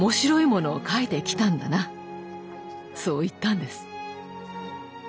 そう言ったんです。